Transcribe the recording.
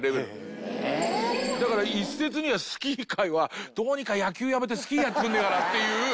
だから一説にはスキー界はどうにか野球やめてスキーやってくれねえかなっていう。